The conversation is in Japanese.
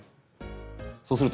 そうするとここ！